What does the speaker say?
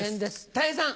たい平さん。